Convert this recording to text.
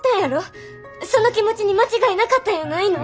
その気持ちに間違いなかったんやないの？